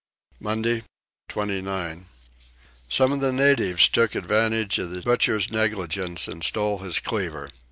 Monday 29. Some of the natives took advantage of the butcher's negligence and stole his cleaver.